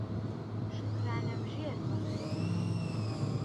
شوکرانەبژێر بە